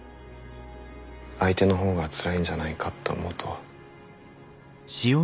相手の方がつらいんじゃないかって思うと。